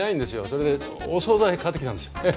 それでお総菜買ってきたんですよ。